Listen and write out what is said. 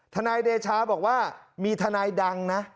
นายเดชาบอกว่ามีทนายดังนะ